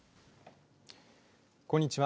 こんにちは。